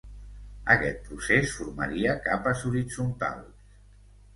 Aquest procés formaria capes horitzontals.